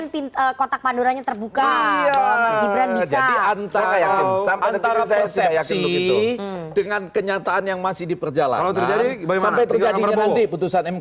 masih beda lagi kalau misalnya terbuka antara persepsi dengan kenyataan yang masih diperjalan